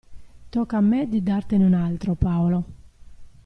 Tocca a me di dartene un altro, Paolo.